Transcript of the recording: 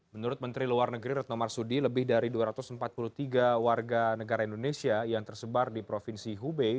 menurut menteri luar negeri retno marsudi lebih dari dua ratus empat puluh tiga warga negara indonesia yang tersebar di provinsi hubei